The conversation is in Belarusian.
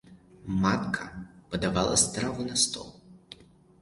Матка падавала страву на стол.